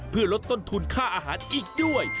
เพื่อลดต้นทุนค่าอาหารอีกด้วย